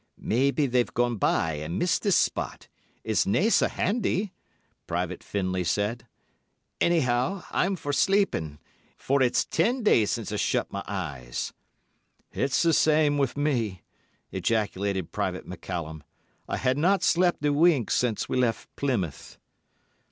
"Maybe they've gone by and missed this spot. It's nae sae handy," Private Findlay said. "Anyhow, I'm for sleeping—for it's ten days since I shut my eyes." "It's the same with me," ejaculated Private McCallum. "I hae not slept a wink since we left Plymouth."